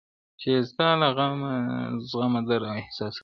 چي یې ستا له زخمه درد و احساس راکړ,